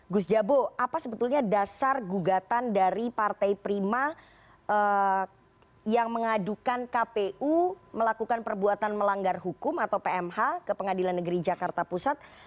gus jabo apa sebetulnya dasar gugatan dari partai prima yang mengadukan kpu melakukan perbuatan melanggar hukum atau pmh ke pengadilan negeri jakarta pusat